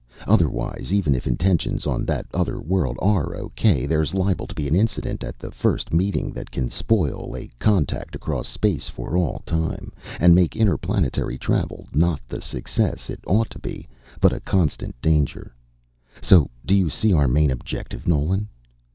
Otherwise, even if intentions on that other world are okay, there's liable to be an incident at that first meeting that can spoil a contact across space for all time, and make interplanetary travel not the success it ought to be, but a constant danger. So do you see our main objective, Nolan?"